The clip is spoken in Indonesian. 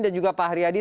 dan juga pak haryadi